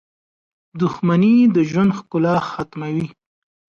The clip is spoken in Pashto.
• دښمني د ژوند ښکلا ختموي.